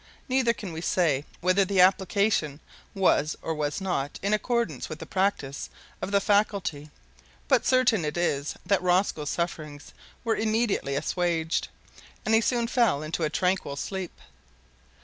Neither can we say whether the application was or was not in accordance with the practice of the faculty, but certain it is that Rosco's sufferings were immediately assuaged, and he soon fell into a tranquil sleep.